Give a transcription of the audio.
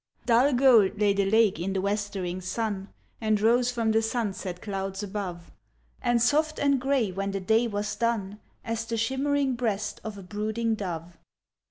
Dull gold lay the lake in the westering sun, And rose from the sunset clouds above, And soft and grey when the day was done, As the shimmering breast of a brooding dove.